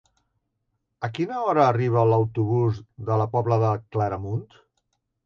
A quina hora arriba l'autobús de la Pobla de Claramunt?